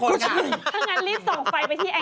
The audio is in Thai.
ถ้างั้นรีบส่องไฟไปที่แอร์